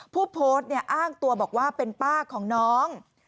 ผู้โพสต์เนี่ยอ้างตัวบอกว่าเป็นป้าของน้อง